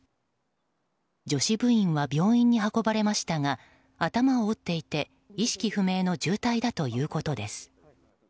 女子部員は病院に運ばれましたが頭を打っていて意識不明の重体だということです。